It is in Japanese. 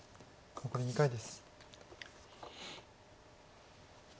残り２回です。